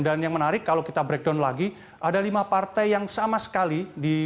dan yang menarik kalau kita breakdown lagi ada lima partai yang sama sekali